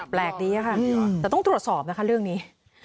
แปลกดีค่ะแต่ต้องตรวจสอบนะคะเรื่องนี้